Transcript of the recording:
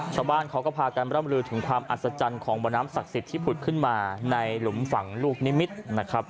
ชาวบ้านเขาก็พากันร่ำลือถึงความอัศจรรย์ของบ่อน้ำศักดิ์สิทธิ์ที่ผุดขึ้นมาในหลุมฝั่งลูกนิมิตรนะครับ